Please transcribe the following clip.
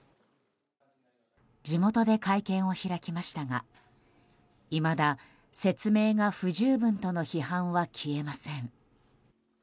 地元で会見を開きましたがいまだ説明が不十分との批判は消えません。